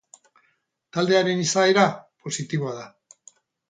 Taldearen izaera positiboa da.